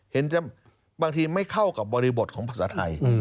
บางทีไม่เข้ากับบริบทของภาษาไทย